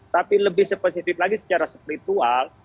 tapi lebih spesifik lagi secara spiritual